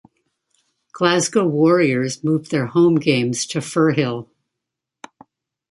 Glasgow Warriors moved their home games to Firhill.